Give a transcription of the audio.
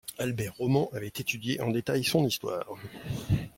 Albert Roman avait étudié en détail son histoire.